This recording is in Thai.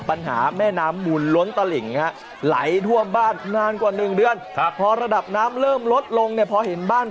อำเภอวาลินชำรากจังหวัดอุบลราชธาตุ